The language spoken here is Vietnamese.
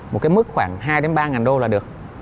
một cái mức khoảng hai ba đô là được